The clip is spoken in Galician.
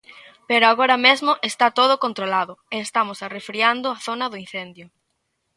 Pero agora mesmo está todo controlado e estamos arrefriando a zona do incendio.